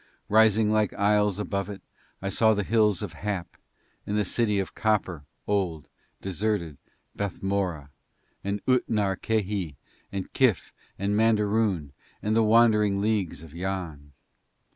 Rising like isles above it I saw the Hills of Hap and the city of copper, old, deserted Bethmoora, and Utnar Véhi and Kyph and Mandaroon and the wandering leagues of Yann.